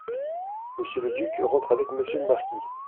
Monsieur le duc rentre avec Monsieur le marquis.